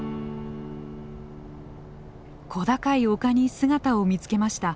小高い丘に姿を見つけました。